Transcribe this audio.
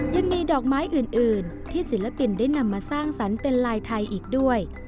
ยังมีดอกไม้อื่นที่ศิลปินได้นำมาสร้างสรรค์เป็นลายไทยอีกด้วย